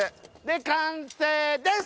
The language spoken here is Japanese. で完成です！